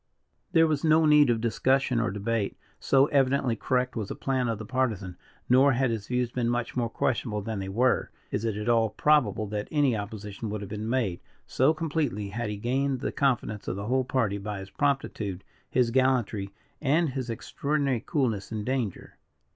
There was no need of discussion or debate, so evidently correct was the plan of the Partisan; nor, had his views been much more questionable than they were, is it at all probable that any opposition would have been made, so completely had he gained the confidence of the whole party, by his promptitude, his gallantry, and his extraordinary coolness in danger.